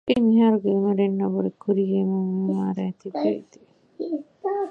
އެއީ މިހާރުގެ ޢިލްމުވެރިންނަށް ވުރެން ކުރީގެ އިމާމުން ޢިލްމަށް އަރައި ތިއްބެވީތީ